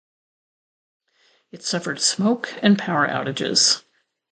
It suffered smoke and power outages.